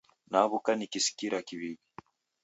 Naw'uka nikisikira kiw'iw'i